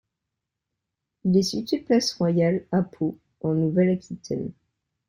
Il est situé place Royale, à Pau, en Nouvelle-Aquitaine.